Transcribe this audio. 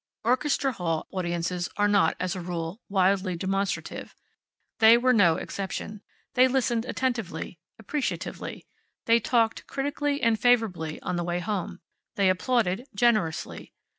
Orchestra Hall audiences are not, as a rule, wildly demonstrative. They were no exception. They listened attentively, appreciatively. They talked, critically and favorably, on the way home. They applauded generously.